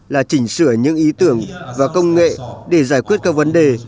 là chỉnh sửa những ý tưởng và công nghệ để giải quyết các vấn đề